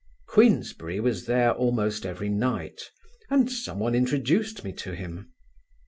Queensberry was there almost every night, and someone introduced me to him.